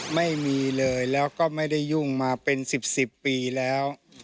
ไม่มีเลยแล้วก็ไม่ได้ยุ่งมาเป็น๑๐ปีแล้ว